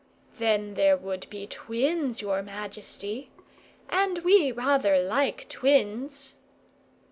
"Then there would be twins, your majesty. And we rather like twins."